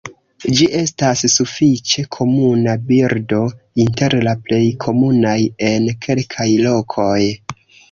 Ĝi estas sufiĉe komuna birdo, inter la plej komunaj en kelkaj lokoj.